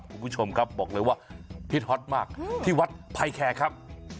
คุณผู้ชมครับบอกเลยว่าพี่ฮอตมากที่วัดไพแคร์ครับ